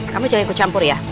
kamu jangan ikut campur ya